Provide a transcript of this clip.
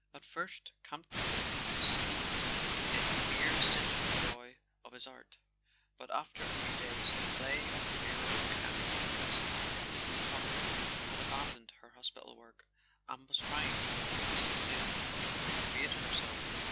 At first Campton was steeped in the mere sensual joy of his art; but after a few days the play of the mirrors began to interest him. Mrs. Talkett had aban¬ doned her hospital work, and was trying, as she said, to "recreate herself."